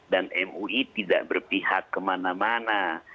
dan mui tidak berpihak kemana mana